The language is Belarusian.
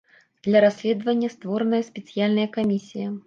Для расследавання створаная спецыяльная камісія.